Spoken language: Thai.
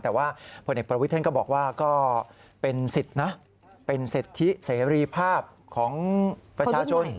แต่ว่าพลเอกประวิทธ์เขาบอกว่าก็เป็นสิทธิเสรีภาพของประชาชน